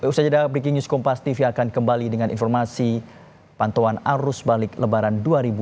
usaha jeda breaking news kompas tv akan kembali dengan informasi pantauan arus balik lebaran dua ribu dua puluh